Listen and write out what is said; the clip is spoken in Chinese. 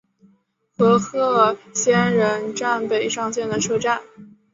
和贺仙人站北上线的车站。